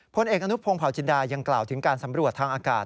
พลเอกอนุพงศาวจินดายังกล่าวถึงการสำรวจทางอากาศ